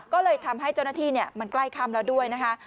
ก็เลยทำให้เจ้าหน้าที่มันใกล้ค่ำแล้วด้วยนะคะ